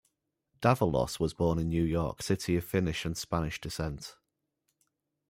Davalos was born in New York City of Finnish and Spanish descent.